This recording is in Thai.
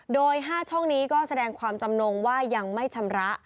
โดย๕ช่องนี้ก็แสดงความจำนงว่ายังไม่ชำระ